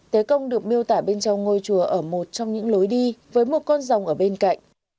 tế công được miêu tả bên trong ngôi chùa ở một trong những lối đi với một con dòng ở bên cạnh